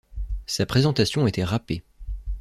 Sa présentation était rappée.